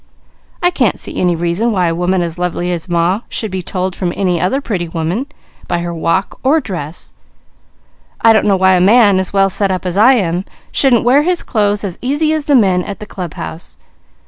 I can't see any reason why a woman as lovely as Ma, should be told from any other pretty woman, by her walk or dress. I don't know why a man as well set up as I am, shouldn't wear his clothes as easy as the men at the club house.